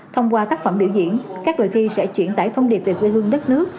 thông qua các phần biểu diễn các đội thi sẽ chuyển tải thông điệp về quê hương đất nước